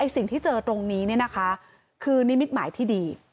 สิ่งที่เจอตรงนี้คือนิมิตหมายที่ดี